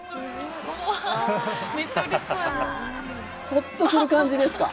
ホッとする感じですか？